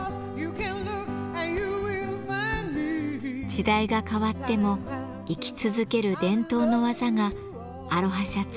時代が変わっても生き続ける伝統の技がアロハシャツに詰まっています。